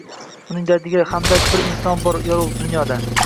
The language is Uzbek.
uning dardiga hamdard bir inson bor yorug' dunyoda...